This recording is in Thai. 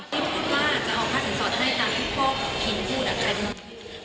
พี่บอกว่าจะเอาค้าสินสอดให้ตามที่พ่อพิงพูดอันนี้